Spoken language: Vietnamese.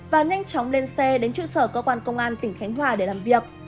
và nhanh chóng lên xe đến trụ sở cơ quan công an tỉnh khánh hòa để làm việc